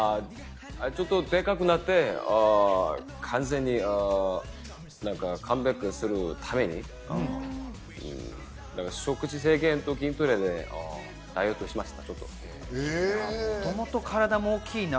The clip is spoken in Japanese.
ちょっとデカくなって、カムバックするために食事制限と筋トレでダイエットしました。